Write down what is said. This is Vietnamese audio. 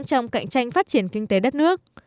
trong cạnh tranh phát triển kinh tế đất nước